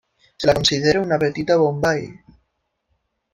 Se la considera una Petita Bombai.